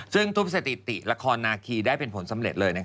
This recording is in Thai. ซึ่งทุบสถิติละครนาคีได้เป็นผลสำเร็จเลย